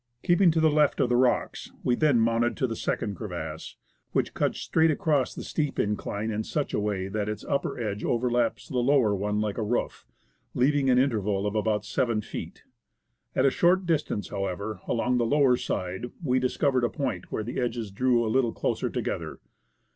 Keeping to the left of the rocks, we then mounted to the second C7^evasse, which cuts straight across the steep incline in such a way that its upper edge overlaps the lower one like a roof, leaving an interval of about seven feet. At a short distance, however, along the lower side, we discovered a point where the edges drew a little closer to gether.